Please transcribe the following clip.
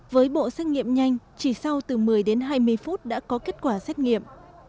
với bộ xét nghiệm nhanh chỉ sau từ một mươi đến hai mươi phút đã có kết quả xét nghiệm